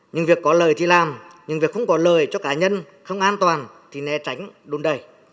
nhưng việc có lời thì làm nhưng việc không có lời cho cá nhân không an toàn thì né tránh đun đầy